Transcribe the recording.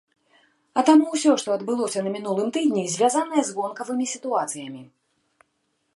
А таму ўсё, што адбылося на мінулым тыдні, звязанае з вонкавымі сітуацыямі.